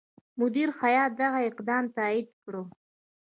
مدیره هیات دغه اقدام تایید کړ.